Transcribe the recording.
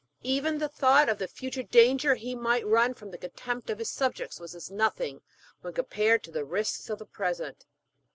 Even the thought of the future danger he might run from the contempt of his subjects was as nothing when compared with the risks of the present.